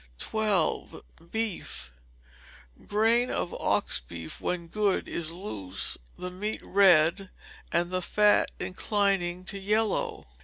12. Beef. The grain of ox beef, when good, is loose, the meat red, and the fat inclining to yellow.